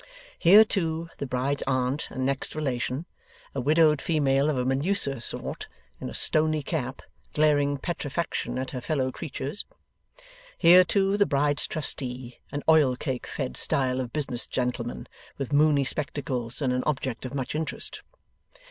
Here, too, the bride's aunt and next relation; a widowed female of a Medusa sort, in a stoney cap, glaring petrifaction at her fellow creatures. Here, too, the bride's trustee; an oilcake fed style of business gentleman with mooney spectacles, and an object of much interest.